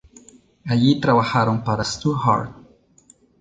Allí trabajaron para Stu Hart.